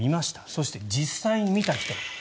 そして実際に見た人。